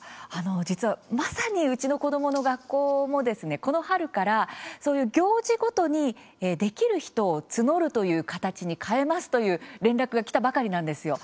実は、まさにうちの子どもの学校もこの春から行事ごとにできる人を募るという形に変えますという連絡がきたばかりなんですよ。